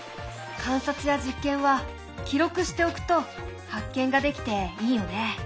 観察や実験は記録しておくと発見ができていいよね。